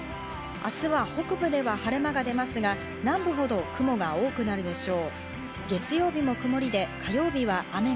明日は北部では晴れ間が出ますが、南部ほど雲が多くなるでしょう。